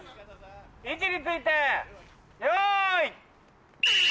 位置についてよい。